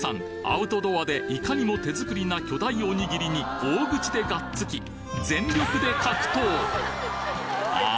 アウトドアでいかにも手作りな巨大おにぎりに大口でがっつき全力で格闘あ